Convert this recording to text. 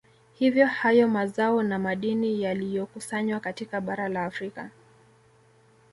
Hivyo hayo mazao na madini yaliyokusanywa katika bara la Afrika